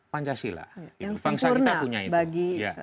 pancasila yang sempurna bagi